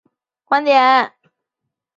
曲学大师吴梅也持此观点。